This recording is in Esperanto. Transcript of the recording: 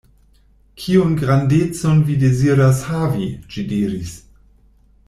"Kiun grandecon vi deziras havi?" ĝi diris.